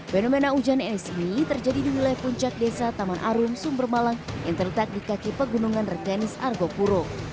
fenomena hujan es ini terjadi di wilayah puncak desa taman arum sumber malang yang terletak di kaki pegunungan rekanis argopuro